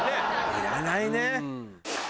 いらないね。